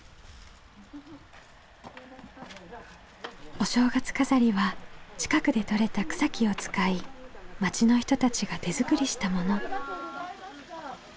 お正月飾りは近くでとれた草木を使い町の人たちが手作りしたもの。